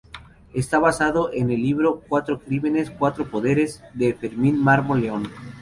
Está basado en el libro "Cuatro crímenes, cuatro poderes", de Fermín Mármol León.